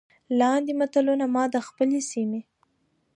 لاندې متلونه ما د خپلې سيمې